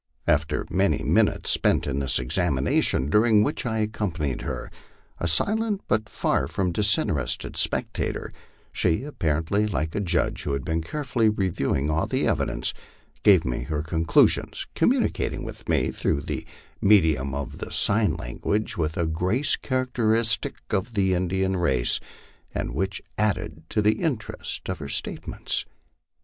After many minutes spent in this examination, during which I ac companied her, a silent but far from disinterested spectator, she, apparently like a judge who had been carefully reviewing all the evidence, gave me her conclusions, communicating with me, through the medium of the sign lan guage, with a grace characteristic of the Indian race, and which added to the interest of her statements.